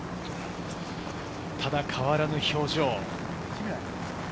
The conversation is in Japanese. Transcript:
ただ変わらぬ表情。